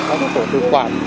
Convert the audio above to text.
các tổ tư quản